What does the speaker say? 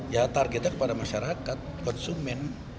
ya targetnya kepada masyarakat konsumen